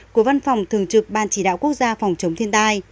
của văn phòng thường trực ban chỉ đạo quốc gia phòng chống thiên tai